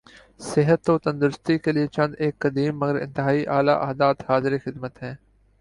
صحت و تندرستی کیلئے چند ایک قدیم مگر انتہائی اعلی عادات حاضر خدمت ہیں